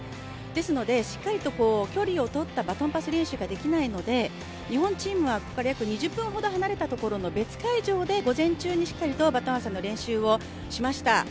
ですので、しっかりと距離をとったバトンパス練習ができないので日本チームはここから約２０分ほど離れたところの別会場で午前中にしっかりバトン合わせの練習をしました。